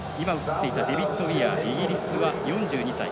デビッド・ウィアー、イギリスは４２歳。